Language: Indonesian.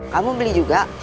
kamu beli juga